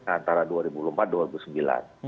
antara dua ribu empat dua ribu sembilan